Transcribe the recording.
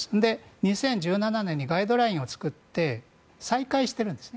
２０１７年にガイドラインを作って再開しているんですね。